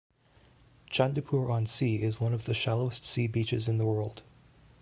Chandipur on sea is one of the shallowest sea beaches in the world.